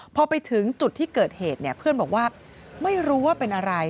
พอไปถึงจุดที่เกิดเหตุเนี่ยเพื่อนบอกว่าไม่รู้ว่าเป็นอะไร